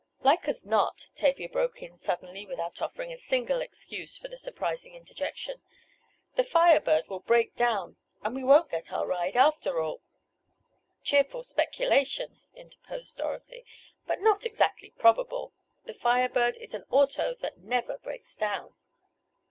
"Like as not," Tavia broke in suddenly, without offering a single excuse for the surprising interjection, "the Fire Bird will break down, and we won't get our ride after all." "Cheerful speculation," interposed Dorothy, "but not exactly probable. The Fire Bird is an auto that never breaks down."